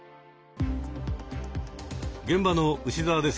現場のウシ澤です。